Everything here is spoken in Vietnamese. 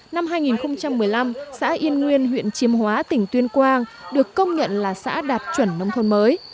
năm hai nghìn một mươi năm xã yên nguyên huyện chiêm hóa tỉnh tuyên quang được công nhận là xã đạt chuẩn nông thôn mới